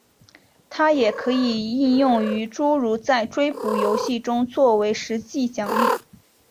它也可以应用于诸如在追捕游戏中做为实际奖励。